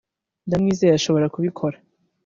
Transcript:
ndamwizeye ashobora kubikora